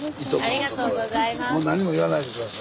ありがとうございます。